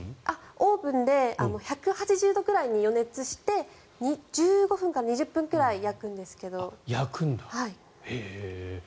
オーブンで１８０度くらいに予熱して１５分から２０分くらい焼くんですけど。